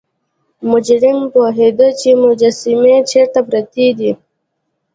مجرم پوهیده چې مجسمې چیرته پرتې دي.